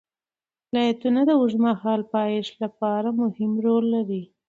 ولایتونه د اوږدمهاله پایښت لپاره مهم رول لري.